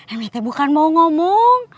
emet tuh bukan mau ngomong